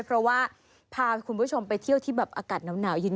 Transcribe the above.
เพราะว่าพาคุณผู้ชมไปเที่ยวที่แบบอากาศหนาวเย็น